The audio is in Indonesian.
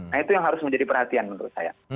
nah itu yang harus menjadi perhatian menurut saya